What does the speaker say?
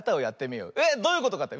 えっどういうことかって？